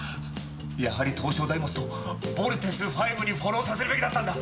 やはり闘将ダイモスとボルテスＶにフォローさせるべきだったんだ。